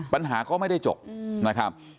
ปัญหาก็ไม่ได้จบนะครับ